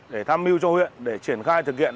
để tham mưu cho huyện để triển khai thực hiện